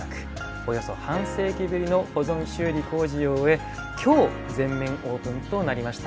およそ半世紀ぶりの保存修理工事を終えきょう、全面オープンとなりました。